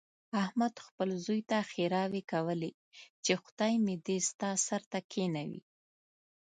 احمد خپل زوی ته ښېراوې کولې، چې خدای مې دې ستا سر ته کېنوي.